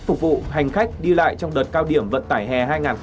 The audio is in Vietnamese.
phục vụ hành khách đi lại trong đợt cao điểm vận tải hè hai nghìn hai mươi bốn